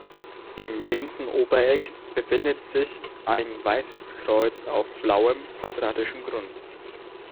Im linken Obereck befindet sich ein weißes Kreuz auf blauem, quadratischem Grund.